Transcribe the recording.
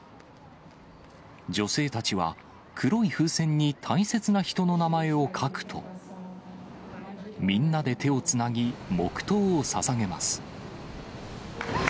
女性たちは、黒い風船に大切な人の名前を書くと、みんなで手をつなぎ、黙とうをささげます。